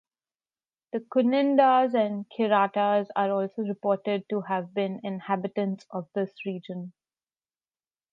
The Kunindas and Kiratas are also reported to have been inhabitants of this region.